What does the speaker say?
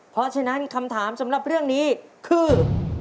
เพราะฉะนั้นคำถามสำหรับเรื่องนี้คือ